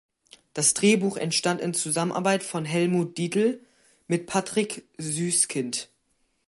Das Drehbuch entstand in Zusammenarbeit von Helmut Dietl mit Patrick Süskind.